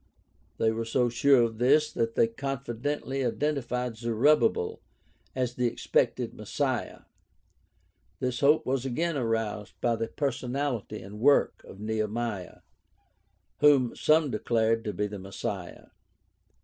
They were so sure of this that they confidently identi fied Zerubbabel as the expected Messiah. This hope was again aroused by the personality and work of Nehemiah, whom some declared to be the Messiah.